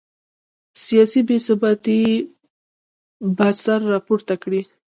سیاسي بې ثباتي به سر راپورته کړي.